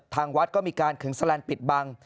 ทางวัดก็มีการขึงแลนด์ปิดบัง